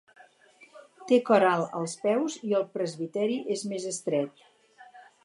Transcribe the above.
Té cor alt als peus i el presbiteri és més estret.